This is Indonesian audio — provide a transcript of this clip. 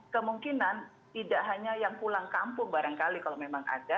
kemungkinan tidak hanya yang pulang kampung barangkali kalau memang ada